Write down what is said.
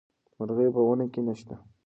مرغۍ په ونه کې نه شته.